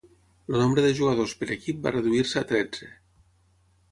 El nombre de jugadors per equip va reduir-se a tretze.